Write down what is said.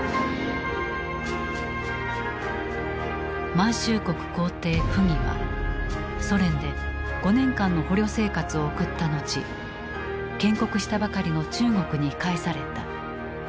満州国皇帝溥儀はソ連で５年間の捕虜生活を送ったのち建国したばかりの中国に帰された。